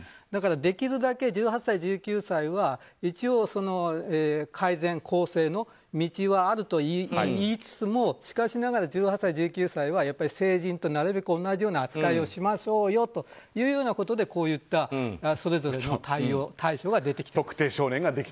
だからできるだけ１８歳、１９歳は一応、改善更生の道はあるといいつつもしかしながら１８歳、１９歳はやっぱり成人となるべく同じような扱いをしましょうよというようなことでこういったそれぞれの対応対処が出てきたと。